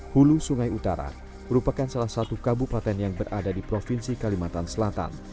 hulu sungai utara merupakan salah satu kabupaten yang berada di provinsi kalimantan selatan